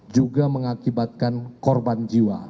juga mengakibatkan korban jiwa